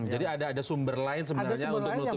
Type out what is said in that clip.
jadi ada sumber lain sebenarnya untuk menutupi kekurangan itu ya